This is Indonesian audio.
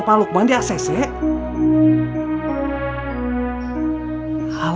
terima kasih ya